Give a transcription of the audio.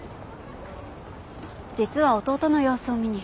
実は弟の様子を見に。